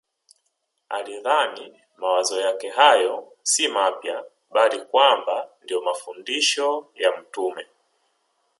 Alidhani mawazo yake hayo si mapya bali kwamba ndiyo mafundisho ya mtume